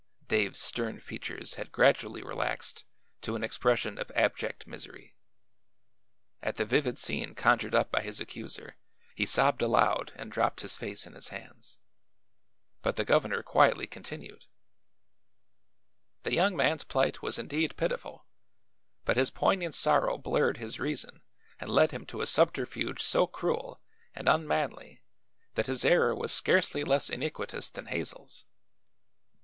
Dave's stern features had gradually relaxed to an expression of abject misery. At the vivid scene conjured up by his accuser he sobbed aloud and dropped his face in his hands. But the governor quietly continued: "The young man's plight was indeed pitiful, but his poignant sorrow blurred his reason and led him to a subterfuge so cruel and unmanly that his error was scarcely less iniquitous than Hazel's.